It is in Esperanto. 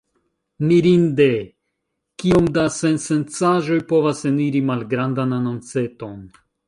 Mirinde kiom da sensencaĵoj povas eniri malgrandan anonceton.